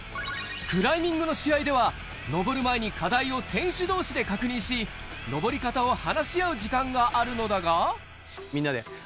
クライミングの試合では登る前に課題を選手同士で確認し登り方を話し合う時間があるのだがみんなで。